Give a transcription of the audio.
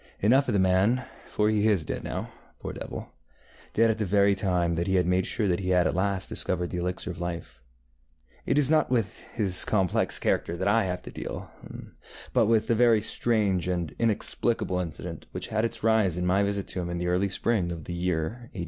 Enough of the man, for he is dead now, poor devil, dead at the very time that he had made sure that he had at last discovered the elixir of life. It is not with his complex character that I have to deal, but with the very strange and inexplicable incident which had its rise in my visit to him in the early spring of the year ŌĆÖ82.